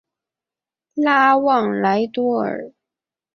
拉旺莱多尔。